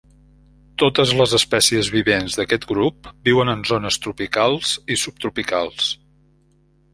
Totes les espècies vivents d'aquest grup viuen en zones tropicals i subtropicals.